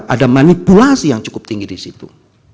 ada manipulasi yang cukup tinggi disitu